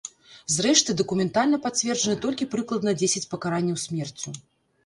Зрэшты, дакументальна пацверджаны толькі прыкладна дзесяць пакаранняў смерцю.